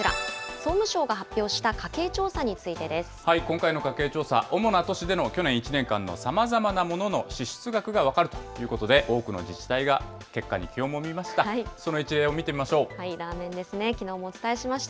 総務省が発表した家計調査につい今回の家計調査、主な都市での去年１年間のさまざまなものの支出額が分かるということで、多くの自治体が、結果に気をもみました。